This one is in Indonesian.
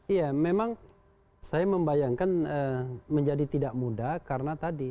iya memang saya membayangkan menjadi tidak mudah karena tadi